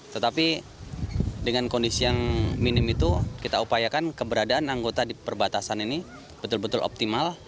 tetapi dengan kondisi yang minim itu kita upayakan keberadaan anggota di perbatasan ini betul betul optimal